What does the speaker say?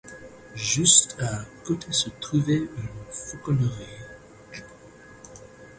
Juste à côté se trouve une fauconnerie.